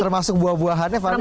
termasuk buah buahannya fadil